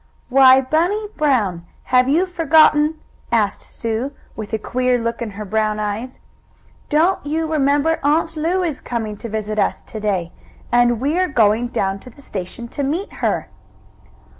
"Why, Bunny Brown! Have you forgotten?" asked Sue, with a queer look in her brown eyes. "Don't you remember Aunt Lu is coming to visit us to day, and we're going down to the station to meet her?"